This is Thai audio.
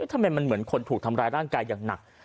ทำไมมันเหมือนคนถูกทำร้ายร่างกายอย่างหนัก